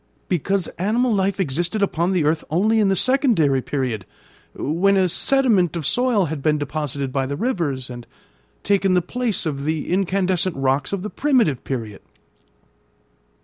"Because animal life existed upon the earth only in the secondary period, when a sediment of soil had been deposited by the rivers, and taken the place of the incandescent rocks of the primitive period."